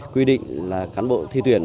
quy định là cán bộ thi tuyển